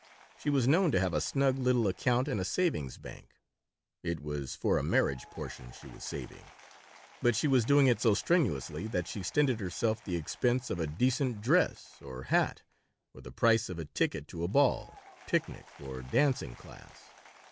She was known to have a snug little account in a savings bank. It was for a marriage portion she was saving; but she was doing it so strenuously that she stinted herself the expense of a decent dress or hat, or the price of a ticket to a ball, picnic, or dancing class.